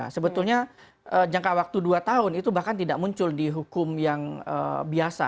sebetulnya jangka waktu dua tahun itu bahkan tidak muncul di hukum yang biasa